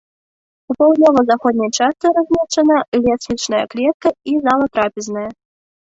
У паўднёва-ўсходняй частцы размешчана лесвічная клетка і зала-трапезная.